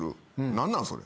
何なんそれ。